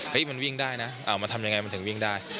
เฮ้ยมันวิ่งได้นะเอามาทำยังไงมันถึงวิ่งได้